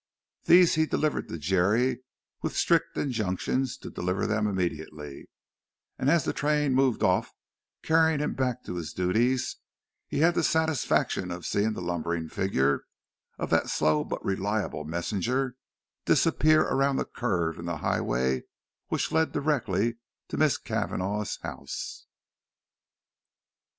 These he delivered to Jerry, with strict injunctions to deliver them immediately, and as the train moved off carrying him back to his duties, he had the satisfaction of seeing the lumbering figure of that slow but reliable messenger disappear around the curve in the highway which led directly to Miss Cavanagh's house.